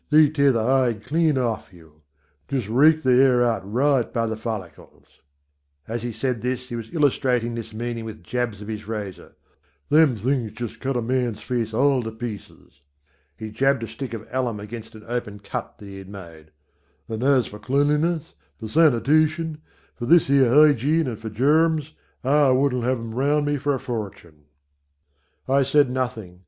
They tear the hide clean off you just rake the hair right out by the follicles," as he said this he was illustrating his meaning with jabs of his razor, "them things just cut a man's face all to pieces," he jabbed a stick of alum against an open cut that he had made, "And as for cleanliness, for sanitation, for this here hygiene and for germs, I wouldn't have them round me for a fortune." I said nothing.